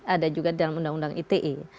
ada juga dalam undang undang ite